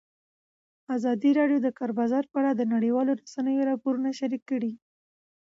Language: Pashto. ازادي راډیو د د کار بازار په اړه د نړیوالو رسنیو راپورونه شریک کړي.